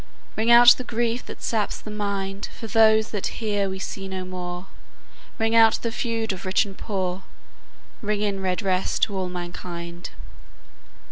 Ring out the grief that saps the mind, For those that here we see no more, Ring out the feud of rich and poor, Ring in redress to all mankind.